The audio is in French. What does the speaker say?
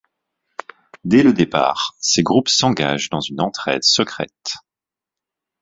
Dès le départ, ces groupes s'engagent dans une entraide secrète.